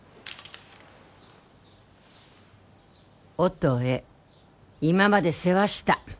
「音へ今まで世話した！」